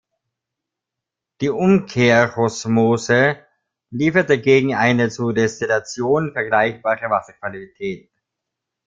Die Umkehrosmose liefert dagegen eine zur Destillation vergleichbare Wasserqualität.